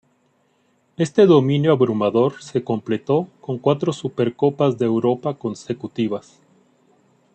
Este dominio abrumador se completó con cuatro Supercopas de Europa consecutivas.